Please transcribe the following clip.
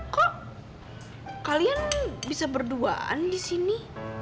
kok kalian bisa berduaan di sini